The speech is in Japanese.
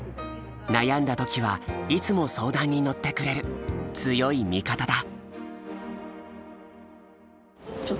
悩んだ時はいつも相談に乗ってくれる強い味方だ。